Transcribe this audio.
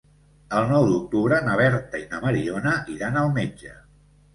El nou d'octubre na Berta i na Mariona iran al metge.